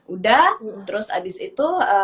udah terus abis itu